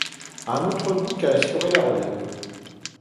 Un autre bouc a assuré la relève.